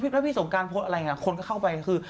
แล้วพี่สงการโพสต์อะไรคนก็เข้าไปคือ